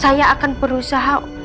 saya akan berusaha untuk mengambil reyna